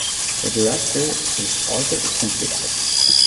The director is Arthur C. Gibson.